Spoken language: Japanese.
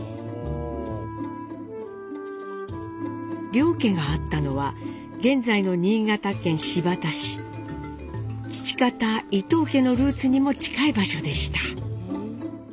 両家があったのは現在の父方伊藤家のルーツにも近い場所でした。